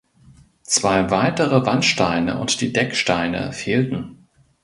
Zwei weitere Wandsteine und die Decksteine fehlten.